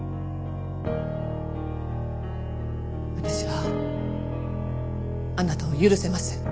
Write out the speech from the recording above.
私はあなたを許せません。